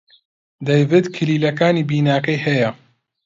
دەیڤد کلیلەکانی بیناکەی هەیە.